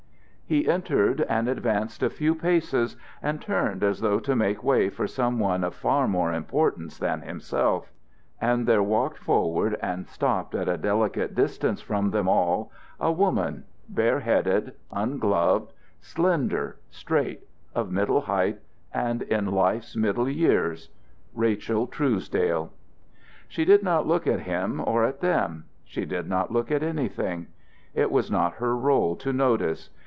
He entered and advanced a few paces and turned as though to make way for some one of far more importance than himself; and there walked forward and stopped at a delicate distance from them all a woman, bareheaded, ungloved, slender, straight, of middle height, and in life's middle years Rachel Truesdale. She did not look at him or at them; she did not look at anything. It was not her role to notice.